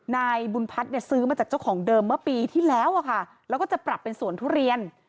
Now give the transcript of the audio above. นายบุญพัฒน์เนี่ยซื้อมาจากเจ้าของเดิมเมื่อปีที่แล้วอะค่ะแล้วก็จะปรับเป็นสวนทุเรียน